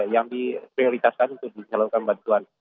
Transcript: yang diseluruhkan untuk diseluruhkan bantuan